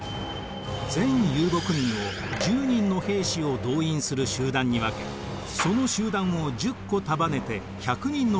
全遊牧民を１０人の兵士を動員する集団に分けその集団を１０個束ねて１００人の兵士を出す集団にしました。